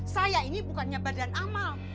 saya ini bukannya badan amal